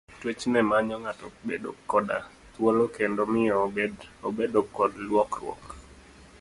Twech ne manyo ng'ato bedo koda thuolo kendo miyo obedo kod lokruok.